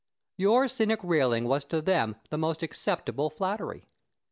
Your cynic railing was to them the most acceptable flattery.